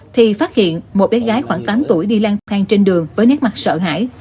thì phát hiện một bé gái khoảng tám tuổi đi lang thang trên đường với nét mặt sợ hãi